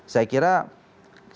saya kira sebetulnya makin lama